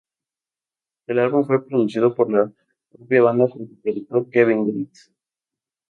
El álbum fue producido por la propia banda junto al productor Kevin Gates.